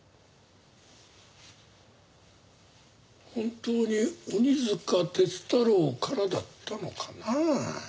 本当に鬼束鐵太郎からだったのかなあ？